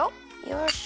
よし。